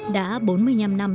đã bốn mươi năm năm